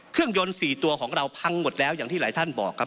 เครื่องยนต์๔ตัวของเราพังหมดแล้วอย่างที่หลายท่านบอกครับ